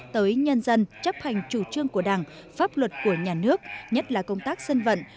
tới nhân dân chấp hành chủ trương của đảng pháp luật của nhà nước nhất là công tác dân vận